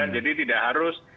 jadi tidak harus